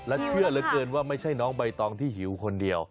และเชื่อเหลือเกินว่าไม่ใช่น้องใบตองที่หิวคนเดียว